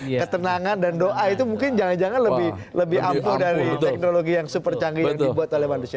ketenangan dan doa itu mungkin jangan jangan lebih ampuh dari teknologi yang super canggih yang dibuat oleh manusia